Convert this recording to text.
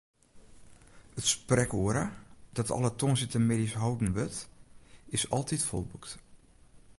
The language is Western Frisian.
It sprekoere, dat alle tongersdeitemiddeis holden wurdt, is altyd folboekt.